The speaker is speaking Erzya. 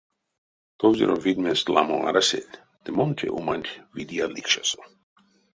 Товзюро видьмесь ламо арасель, ды мон те уманть видия ликшасо.